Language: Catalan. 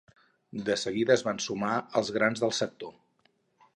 De seguida es van sumar els grans del sector.